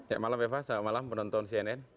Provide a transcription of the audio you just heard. ya malam eva selamat malam penonton cnn